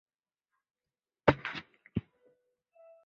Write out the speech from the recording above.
它也是阿佛罗狄忒的崇拜中心。